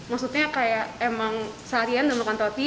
maksudnya kayak emang seharian udah makan roti